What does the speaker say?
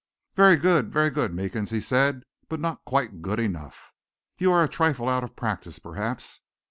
"Very good very good, Meekins," he said, "but not quite good enough. You are a trifle out of practice, perhaps.